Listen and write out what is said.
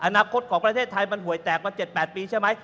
อนาคตของประเทศไทยมันหวยแตกมา๗๘ปีใช่ไหม